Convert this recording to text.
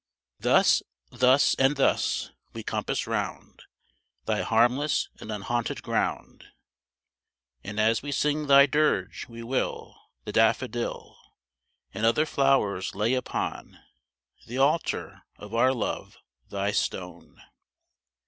Thus, thus, and thus, we compass round Thy harmless and unhaunted ground, And as we sing thy dirge, we will, The daffodill And other flowers lay upon The altar of our love, thy stone.